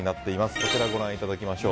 こちらご覧いただきましょう。